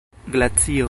glacio